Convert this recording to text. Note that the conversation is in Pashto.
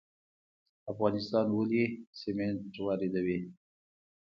افغانستان ولې سمنټ واردوي؟